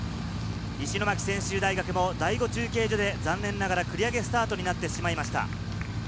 石巻専修大学も第５中継所で残念ながら繰り上げスタートとなってしまいました。